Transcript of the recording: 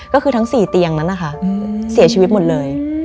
ก็คือทั้ง๔เตียงนั้นนะคะเสียชีวิตหมดเลย